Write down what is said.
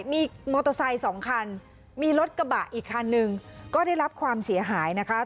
มีมอเตอร์ไซค์สองคันมีรถกระบะอีกคันนึงก็ได้รับความเสียหายนะคะ